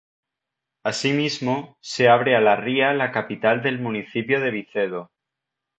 Así mismo, se abre a la ría la capital del municipio de Vicedo.